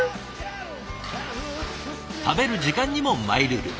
食べる時間にもマイルール。